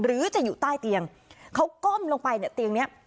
หรือจะอยู่ใต้เตียงเขาก้มลงไปเนี่ยเตียงเนี้ย